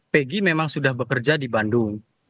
pegi memang sudah bekerja di bandung